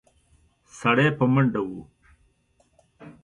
سړی په منډه و.